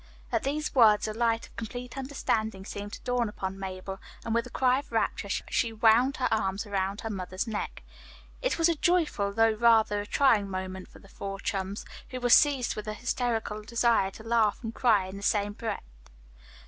At these words a light of complete understanding seemed to dawn upon Mabel, and with a cry of rapture she wound her arms about her mother's neck. It was a joyful, though rather a trying moment for the four chums, who were seized with a hysterical desire to laugh and cry in the same breath.